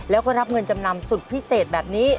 แล้วก็รับเงินจำนำสุดพิเศษแบบนี้